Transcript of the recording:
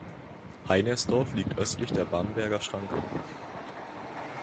Heinersdorf liegt östlich der Bamberger Schranke.